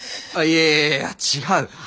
いやいや違う。